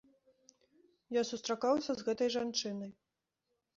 Я сустракаўся з гэтай жанчынай.